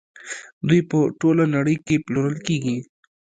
دوی په ټوله نړۍ کې پلورل کیږي.